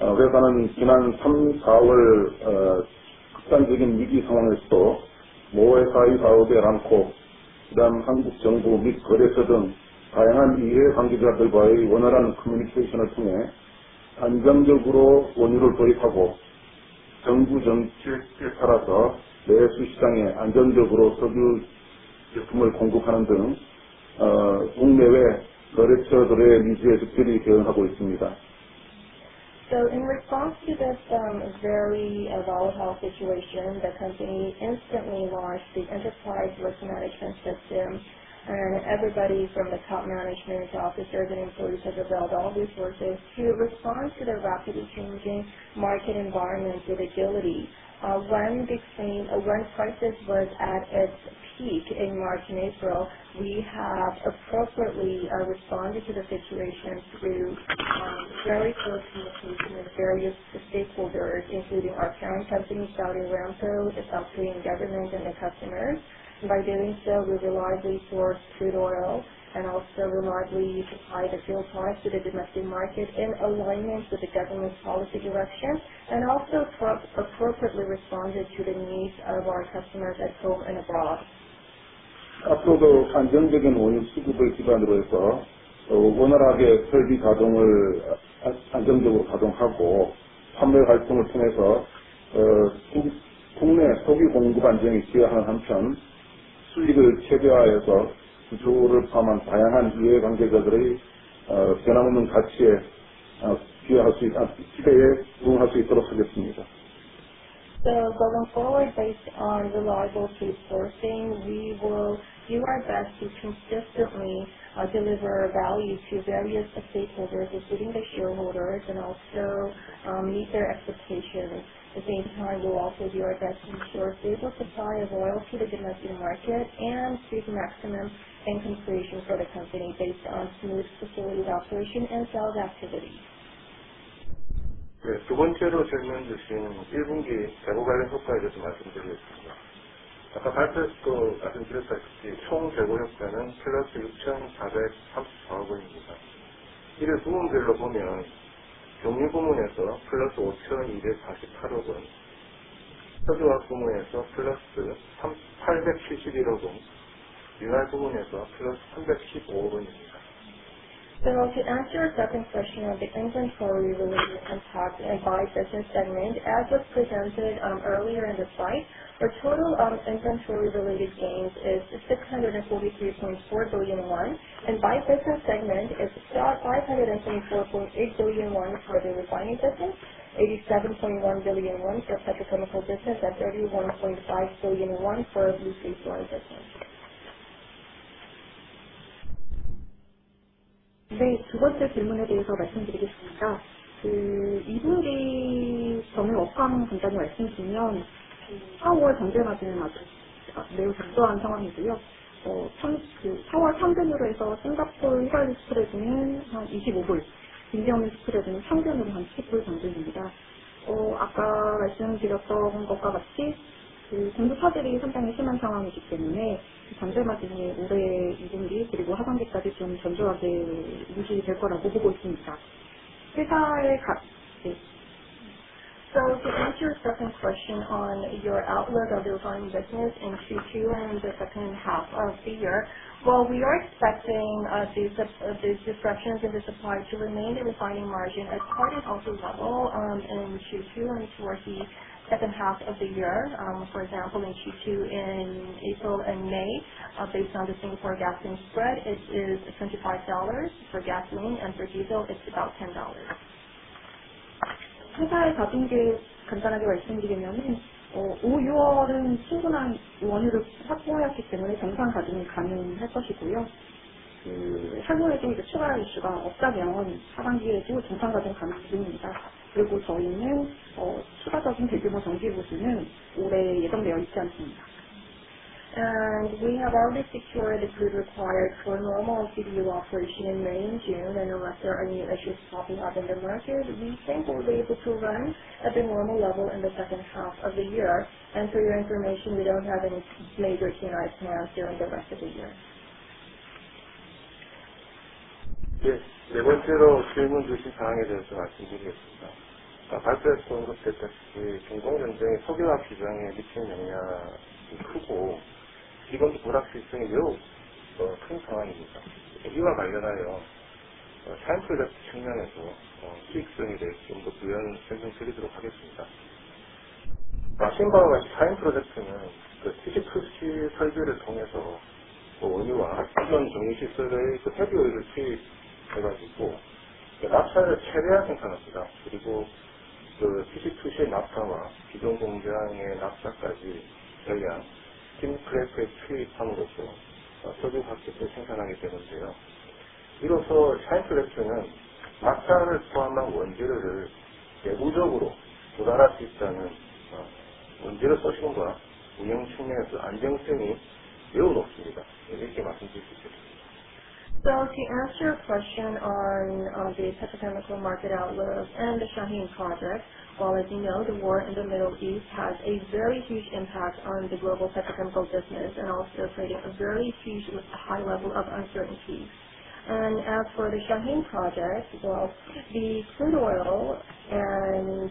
회사는 지난 3, 4월 극단적인 위기 상황에서도 모회사인 Saudi Aramco 및 한국 정부 및 거래처 등 다양한 이해 관계자들과의 원활한 커뮤니케이션을 통해 안정적으로 원유를 도입하고 정부 정책에 따라서 내수 시장에 안정적으로 석유 제품을 공급하는 등 국내외 거래처들의 니즈에 적절히 대응하고 있습니다. In response to this very volatile situation, the company instantly launched the enterprise risk management system. Everybody from the top management to officers and employees have availed all resources to respond to the rapidly changing market environment with agility. When prices were at its peak in March and April, we have appropriately responded to the situation through very close communication with various stakeholders, including our parent company, Saudi Aramco, the Korean government and the customers. By doing so, we reliably sourced crude oil and also reliably supplied the fuel products to the domestic market in alignment with the government's policy direction, and also appropriately responded to the needs of our customers at home and abroad. 앞으로도 안정적인 원유 수급을 기반으로 해서 원활하게 설비 안정적으로 가동하고, 판매 활동을 통해서 국내 석유 공급 안정을 기하는 한편, 수익을 최대화해서 주주를 포함한 다양한 이해관계자들의 변함없는 기대에 부응할 수 있도록 하겠습니다. Going forward, based on reliable resourcing, we will do our best to consistently deliver value to various stakeholders, including the shareholders, and also meet their expectations. At the same time, we will also do our best to ensure stable supply of oil to the domestic market and seek maximum income creation for the company based on smooth facilities operation and sales activity. 두 번째로 질문 주신 1분기 재고 관련 효과에 대해서 말씀드리겠습니다. 아까 발표에도 말씀드렸다시피 총 재고 효과는 플러스 6,434억 원입니다. 이를 부문별로 보면 정유 부문에서 플러스 5,248억 원, 석유화학 부문에서 플러스 871억 원, 윤활 부문에서 플러스 315억 원입니다. To answer your second question on the inventory related impact and by business segment, as was presented earlier in the slide, our total inventory related gains is 643.4 billion won, and by business segment is 524.8 billion won for the refining business, 87.1 billion won for petrochemical business, and 31.5 billion won for Lube Base Oil business. 네, 두 번째 질문에 대해서 말씀드리겠습니다. 2분기 정유 업황 간단히 말씀드리면 4월 반등 맞이는 매우 불투명한 상황이고요. 4월 평균으로 해서 싱가폴 휘발유 스프레드는 한 $25, 디젤 스프레드는 평균으로 한 $10 수준입니다. 아까 말씀드렸던 것과 같이 공급 차질이 상당히 심한 상황이기 때문에 반등 맞이 올해 2분기 그리고 하반기까지 좀 견조하게 유지가 될 거라고 보고 있습니다. To answer your second question on your outlook of the refining business in Q2 and the second half of the year. Well, we are expecting these disruptions in the supply to remain the refining margin at current also level in Q2 and towards the second half of the year. For example, in Q2, in April and May, based on the Singapore gasoline spread, it is $25 for gasoline, and for diesel, it's about $10. 회사의 가동률 간단하게 말씀드리면 5, 6월은 충분한 원유를 확보하였기 때문에 정상 가동이 가능할 것이고요. 향후에도 추가 이슈가 없다면 하반기에도 정상 가동 가능합니다. 그리고 저희는 추가적인 대규모 정기 보수는 올해 예정되어 있지 않습니다. We have already secured the crude required for normal CDU operation in May and June. Unless there are any issues popping up in the market, we think we'll be able to run at the normal level in the second half of the year. For your information, we don't have any major turnaround plans during the rest of the year. 네 번째로 질문 주신 사항에 대해서 말씀드리겠습니다. 아까 발표에서도 언급했다시피 중동 전쟁이 석유화학 시장에 미치는 영향이 크고, 지금도 불확실성이 매우 큰 상황입니다. 이와 관련하여 샤힌 프로젝트 측면에서 수익성에 대해 좀더 부연 설명드리도록 하겠습니다. 아시는 바와 같이 샤힌 프로젝트는 TC2C 설비를 통해서 원유와 함께 정유 시설의 폐기유를 투입해 가지고 납사를 최대화 생산합니다. 그리고 TC2C 납사와 기존 공장의 납사까지 전량 스팀 크래커에 투입함으로써 석유화학 제품을 생산하게 되는데요. 이로써 샤힌 프로젝트는 납사를 포함한 원재료를 내부적으로 조달할 수 있다는 원재료 소싱과 운영 측면의 안정성이 매우 높습니다. 이렇게 말씀드릴 수 있겠습니다. To answer your question on the petrochemical market outlook and the Shaheen Project. Well, as you know, the war in the Middle East has a very huge impact on the global petrochemical business and also creating a very huge, high level of uncertainties. As for the Shaheen Project, well, the crude oil and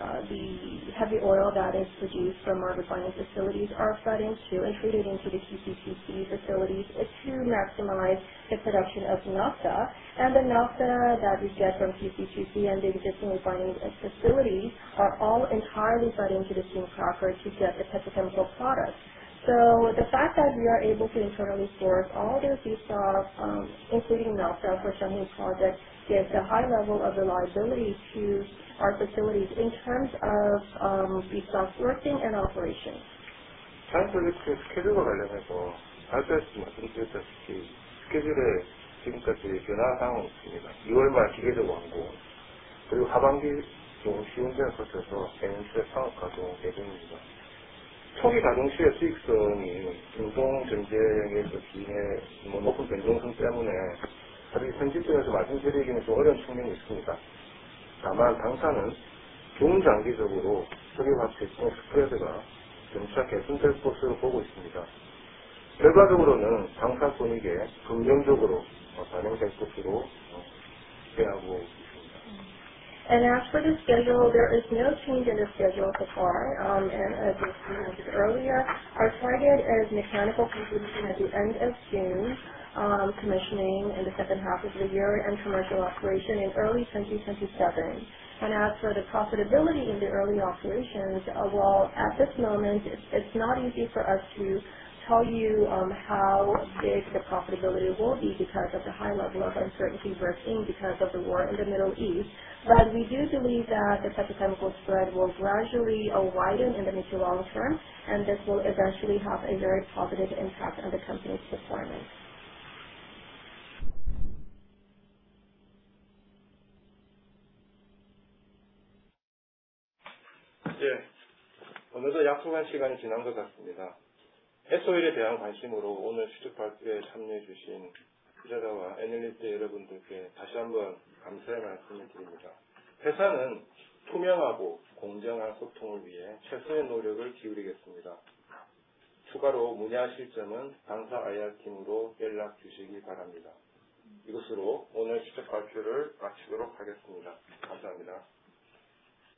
the heavy oil that is produced from our refining facilities are fed into and treated into the QCC facilities to maximize the production of naphtha. The naphtha that we get from QCC and the existing refining facilities are all entirely fed into the steam cracker to get the petrochemical product. The fact that we are able to internally source all the feedstocks, including naphtha for Shaheen Project, gives a high level of reliability to our facilities in terms of feedstock sourcing and operation. As for the schedule, there is no change in the schedule so far. As we mentioned earlier, our target is mechanical completion at the end of June, commissioning in the second half of the year, and commercial operation in early 2027. As for the profitability in the early operations, well, at this moment, it's not easy for us to tell you how big the profitability will be because of the high level of uncertainty we're seeing because of the war in the Middle East. We do believe that the petrochemical spread will gradually widen in the mid to long term, and this will eventually have a very positive impact on the company's performance.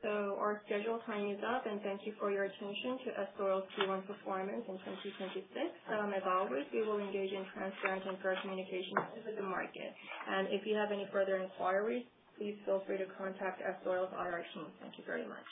Our scheduled time is up, and thank you for your attention to S-Oil's Q1 performance in 2026. As always, we will engage in transparent and fair communication with the market. If you have any further inquiries, please feel free to contact S-Oil's IR team. Thank you very much.